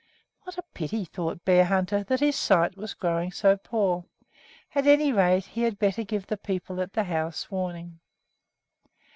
What a pity, thought Bearhunter, that his sight was growing so poor! At any rate, he had better give the people in the house warning.